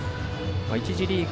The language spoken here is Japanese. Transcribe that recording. １次リーグ